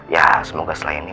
ya semoga selain ini